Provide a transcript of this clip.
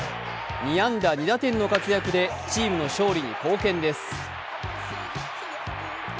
２安打２打点の活躍でチームの勝利に貢献です。